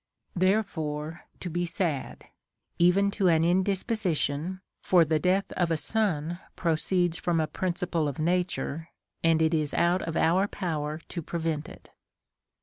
3. Therefore to be sad, even to an indisposition, for the death of a son proceeds from a principle of nature, and it is out of our poAver to prevent it.